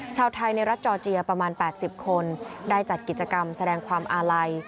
ชาวไทยในรัฐจอร์เจียประมาณ๘๐คนได้จัดกิจกรรมแสดงความอาลัย